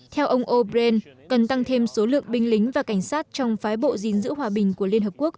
theo ông o bran cần tăng thêm số lượng binh lính và cảnh sát trong phái bộ gìn giữ hòa bình của liên hợp quốc